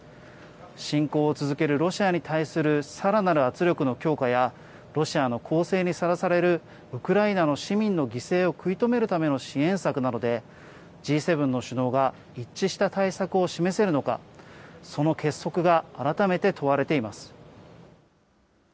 侵攻を続けるロシアに対するさらなる圧力の強化や、ロシアの攻勢にさらされるウクライナの市民の犠牲を食い止めるための支援策などで、Ｇ７の首脳が一致した対策を示せるのか、その結束が改めて問われています。